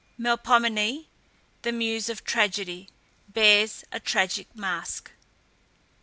MELPOMENE, the muse of Tragedy, bears a tragic mask.